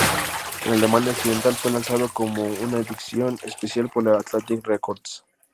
En Alemania Occidental fue lanzado como una edición especial por la Atlantic Records.